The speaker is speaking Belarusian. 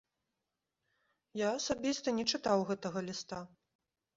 Я асабіста не чытаў гэтага ліста.